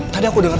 tadi aku denger